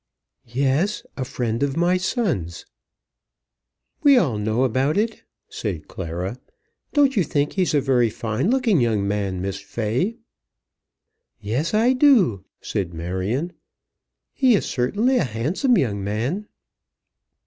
"Yes; a friend of my son's." "We know all about it," said Clara. "Don't you think he's a very fine looking young man, Miss Fay?" "Yes, I do," said Marion. "He is certainly a handsome young man."